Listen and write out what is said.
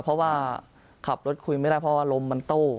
เพราะว่าขับรถคุยไม่ได้เพราะว่าลมมันโต้